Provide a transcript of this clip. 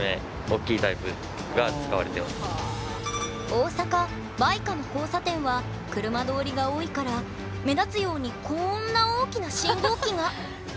大阪・梅香の交差点は車通りが多いから目立つようにこんな大きな信号機が。